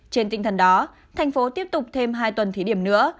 trên tinh thần đó thành phố tiếp tục thêm hai tuần thí điểm nữa